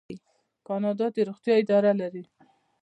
کاناډا د روغتیا اداره لري.